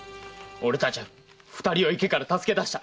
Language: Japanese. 俺たちゃ二人を池から助け出した。